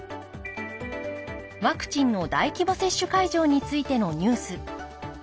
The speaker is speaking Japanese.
ワクチンの大規模接種会場についてのニュース。